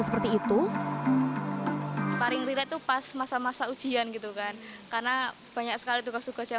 seperti itu paling rilek tuh pas masa masa ujian gitu kan karena banyak sekali tugas tugas yang